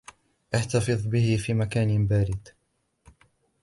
احتفظ به في مكان بارد.